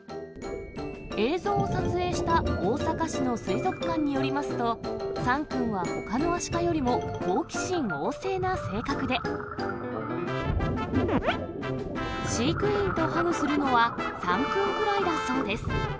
映像を撮影した大阪市の水族館によりますと、サンくんはほかのアシカよりも、好奇心旺盛な性格で、飼育員とハグするのは、サンくんくらいだそうです。